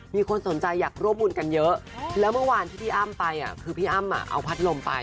มีคนสนใจอยากร่วมบุญกันเยอะแล้วเมื่อวานที่พี่อ้ำไปคือพี่อ้ำเอาพัดลมไป